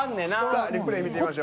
さあリプレイ見てみましょう。